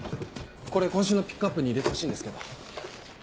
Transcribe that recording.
これ今週のピックアップに入れてほしいんですけど。